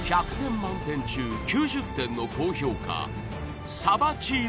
満点中９０点の高評価